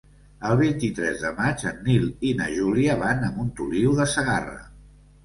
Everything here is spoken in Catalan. El vint-i-tres de maig en Nil i na Júlia van a Montoliu de Segarra.